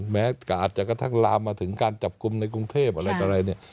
แม้อาจจะกระทั่งลามาถึงการจับกลุ่มในกรุงเทพฯอะไรนี่